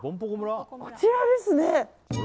こちらですね。